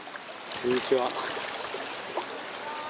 こんにちは。